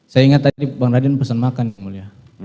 saya ingat tadi bang radin pesen makan ya mulia